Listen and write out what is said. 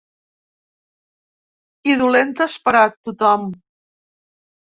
I dolentes per a tothom.